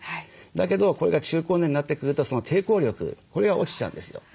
だけどこれが中高年になってくるとその抵抗力これが落ちちゃうんですよ。